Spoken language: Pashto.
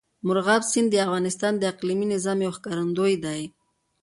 مورغاب سیند د افغانستان د اقلیمي نظام یو ښکارندوی دی.